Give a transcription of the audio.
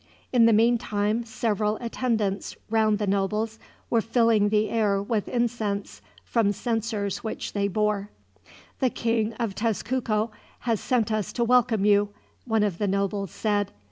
In the meantime several attendants round the nobles were filling the air with incense, from censers which they bore. "The King of Tezcuco has sent us to welcome you," one of the nobles said.